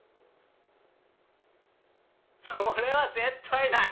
それは絶対ない！